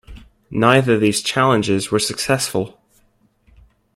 Neither of these challenges were successful.